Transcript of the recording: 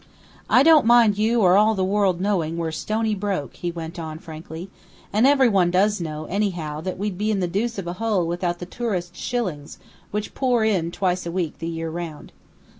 "I don't mind you or all the world knowing we're stony broke," he went on, frankly. "And everyone does know, anyhow, that we'd be in the deuce of a hole without the tourists' shillings which pour in twice a week the year round.